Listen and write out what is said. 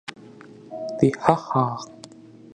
The Ha Ha!